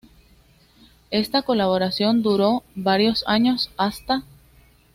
Esta colaboración duró varios años, hasta.